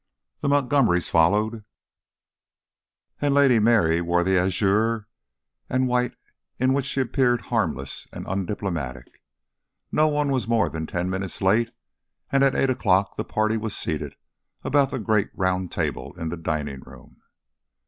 The Montgomerys followed, and Lady Mary wore the azure and white in which she appeared harmless and undiplomatic. No one was more than ten minutes late, and at eight o'clock the party was seated about the great round table in the dining room.